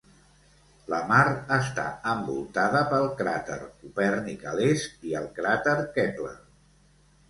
La mar està envoltada pel cràter Copèrnic a l'est, i el cràter Kepler.